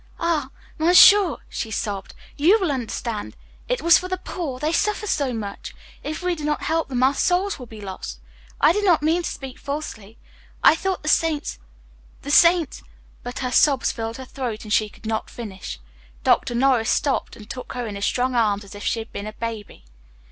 "Ah! monsieur," she sobbed, "you will understand. It was for the poor they suffer so much. If we do not help them our souls will be lost. I did not mean to speak falsely. I thought the Saints the Saints " But her sobs filled her throat, and she could not finish. Dr. Norris stopped, and took her in his strong arms as if she had been a baby.